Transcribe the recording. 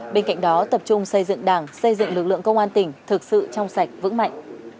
bên cạnh đó tập trung xây dựng đảng xây dựng lực lượng công an tỉnh thực sự trong sạch vững mạnh